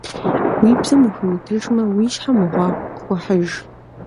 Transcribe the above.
Уи бзэм ухуимытыжмэ, уи щхьэ мыгъуагъэ къыхуэхьыж.